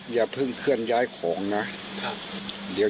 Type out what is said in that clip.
อย่าพึ่งเคลื่อนย้ายของนะครับเดี๋ยว๖๔๒๐๐๓๓๐๐๓๓๐๐